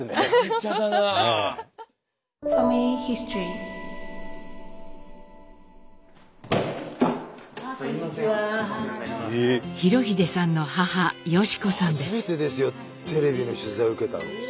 初めてですよテレビの取材受けたの。